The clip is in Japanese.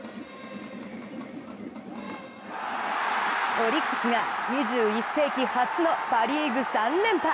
オリックスが２１世紀初のパ・リーグ３連覇。